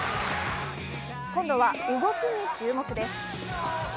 今度は動きに注目です。